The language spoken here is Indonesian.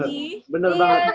yang di sirkuit ya mas rosi